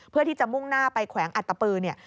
เพื่อที่จะมุ่งหน้าไปแขวงอัตตปือเนี่ย